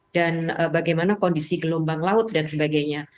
dan bagaimana kondisi gelombang laut dan sebagainya